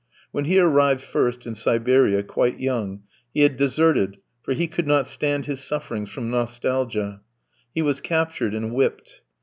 When he arrived first in Siberia, quite young, he had deserted, for he could not stand his sufferings from nostalgia. He was captured and whipped.